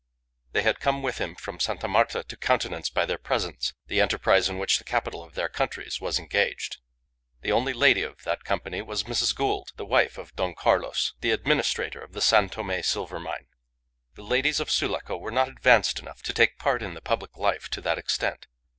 They had come with him from Sta. Marta to countenance by their presence the enterprise in which the capital of their countries was engaged. The only lady of that company was Mrs. Gould, the wife of Don Carlos, the administrator of the San Tome silver mine. The ladies of Sulaco were not advanced enough to take part in the public life to that extent.